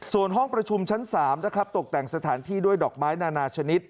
ส่วนห้องประชุมชั้น๓นะครับตกแต่งสถานที่ด้วยดอกไม้นานาชนิด